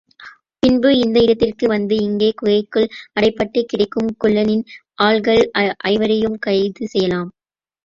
பின்பு, இந்த இடத்திற்கு வந்து இங்கே குகைக்குள் அடைபட்டுக் கிடக்கும் குள்ளனின் ஆள்கள் ஐவரையும் கைது செய்யலாம்.